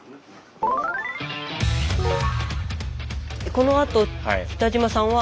このあと北島さんは。